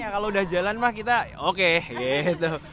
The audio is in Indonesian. kalau udah jalan mah kita oke gitu